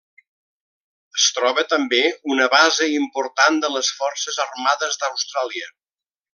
Es troba també una base important de les forces armades d'Austràlia.